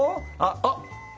あっ！